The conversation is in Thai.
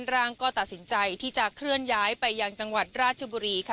ร่างก็ตัดสินใจที่จะเคลื่อนย้ายไปยังจังหวัดราชบุรีค่ะ